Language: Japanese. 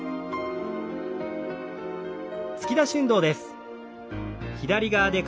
突き出し運動です。